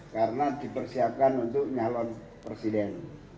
karena dipersiapkan untuk nyalon presiden